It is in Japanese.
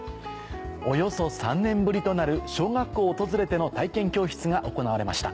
およそ３年ぶりとなる小学校を訪れての体験教室が行われました。